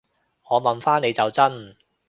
我問返你就真